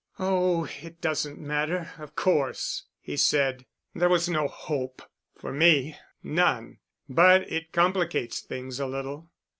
"Oh, it doesn't matter, of course," he said. "There was no hope—for me—none. But it complicates things a little."